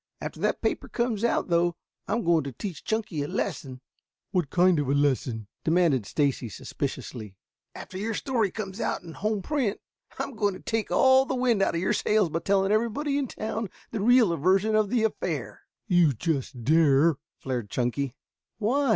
After that paper comes out, though, I am going to teach Chunky a lesson." "What kind of a lesson?" demanded Stacy suspiciously. "After your story comes out in home print," laughed Ned, "I'm going to take all the wind out of your sails by telling everybody in town the real version of the affair." "You just dare," flared Chunky. "Why?"